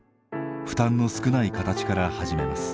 負担の少ない形から始めます。